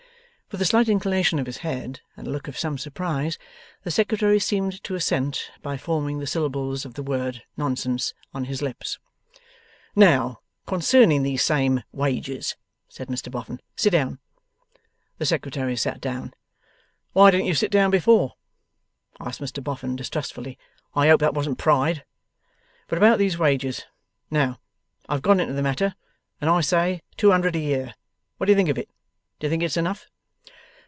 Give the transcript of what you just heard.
With a slight inclination of his head, and a look of some surprise, the Secretary seemed to assent by forming the syllables of the word 'nonsense' on his lips. 'Now, concerning these same wages,' said Mr Boffin. 'Sit down.' The Secretary sat down. 'Why didn't you sit down before?' asked Mr Boffin, distrustfully. 'I hope that wasn't pride? But about these wages. Now, I've gone into the matter, and I say two hundred a year. What do you think of it? Do you think it's enough?